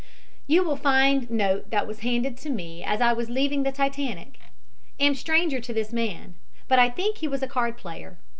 "You will find note that was handed to me as I was leaving the Titanic. Am stranger to this man, but think he was a card player.